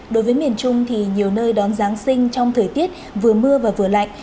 đối với miền trung thì nhiều nơi đón giáng sinh trong thời tiết vừa mưa và vừa lạnh